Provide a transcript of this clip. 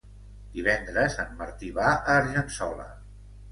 Divendres en Martí va a Argençola.